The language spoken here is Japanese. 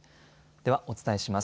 では、お伝えします。